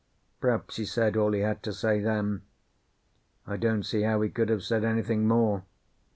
Perhaps he said all he had to say then; I don't see how he could have said anything more.